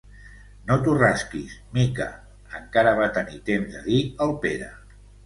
No t'ho rasquis, Mica —encara va tenir temps de dir el Pere.